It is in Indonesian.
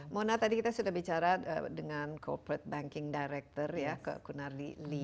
mona tadi kita sudah bicara dengan corporate banking director ya ke kunardi